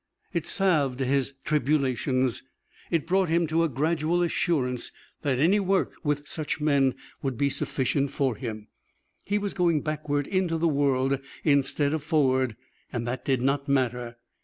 It salved his tribulations. It brought him to a gradual assurance that any work with such men would be sufficient for him. He was going backward into the world instead of forward; that did not matter.